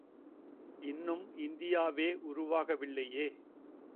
இன்னும் இந்தியாவே உருவாக வில்லையே!